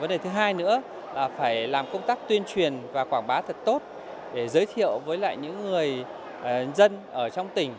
vấn đề thứ hai nữa là phải làm công tác tuyên truyền và quảng bá thật tốt để giới thiệu với lại những người dân ở trong tỉnh